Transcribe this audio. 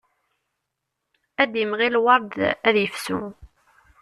Ad d-imɣi lweṛd ad yefsu.